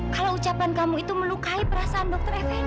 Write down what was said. kalau ucapan kamu itu melukai perasaan dokter even